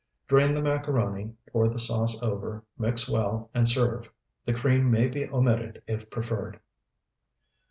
Drain the macaroni, pour the sauce over, mix well, and serve. The cream may be omitted if preferred.